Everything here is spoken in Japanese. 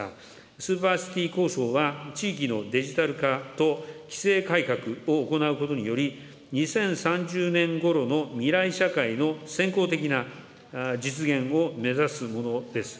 スーパーシティ構想は、地域のデジタル化と規制改革を行うことにより、２０３０年ごろの未来社会の先行的な実現を目指すものです。